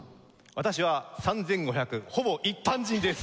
私は３５００ほぼ一般人です！